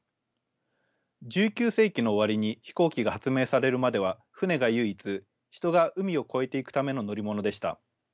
１９世紀の終わりに飛行機が発明されるまでは船が唯一人が海を越えていくための乗り物でした。